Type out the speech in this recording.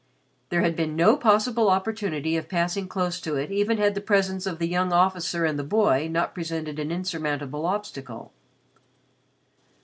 There had been no possible opportunity of passing close to it even had the presence of the young officer and the boy not presented an insurmountable obstacle.